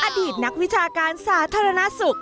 อดีตนักวิชาการสาธารณสุข